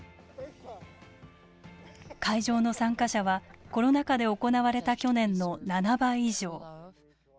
会場の参加者はコロナ禍で行われた去年の７倍以上。